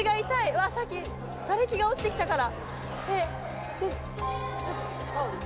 うわさっきがれきが落ちてきたから。